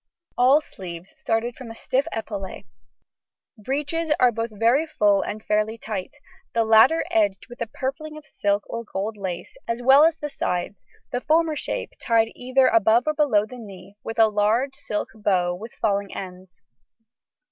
All sleeves start from a stiff epaulet. Breeches are both very full and fairly tight, the latter edged with a purfling of silk or gold lace as well as the sides, the former shape tied either above or below the knee with a large silk bow with falling ends.